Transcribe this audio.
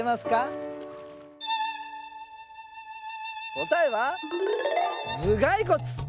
こたえはずがいこつ！